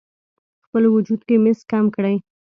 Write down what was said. خپل وجود کې مس کم کړئ: